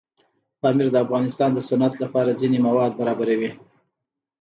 پامیر د افغانستان د صنعت لپاره ځینې مواد برابروي.